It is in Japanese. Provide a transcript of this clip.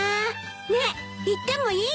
ねえ行ってもいい？